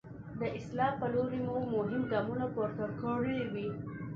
د اصلاح په لوري مو مهم ګام پورته کړی وي.